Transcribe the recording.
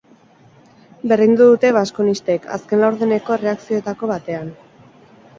Berdindu dute baskonistek, azken laurdeneko erreakzioetako batean.